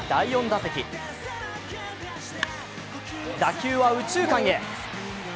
打球は右中間へ。